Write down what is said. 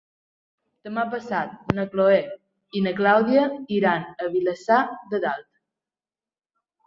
Demà passat na Chloé i na Clàudia iran a Vilassar de Dalt.